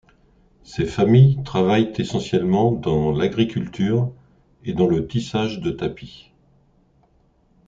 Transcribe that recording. Ces familles travaillent essentiellement dans l’agriculture et dans le tissage de tapis.